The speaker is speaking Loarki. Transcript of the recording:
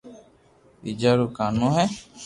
ٻيجا رو ڪانو ھي